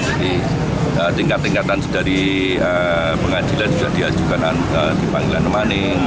jadi tingkat tingkatan dari pengadilan sudah diajukan di panggilan maning